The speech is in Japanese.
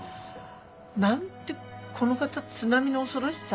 何てこの方津波の恐ろしさ。